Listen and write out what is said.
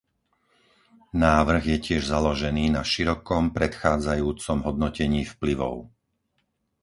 Návrh je tiež založený na širokom predchádzajúcom hodnotení vplyvov.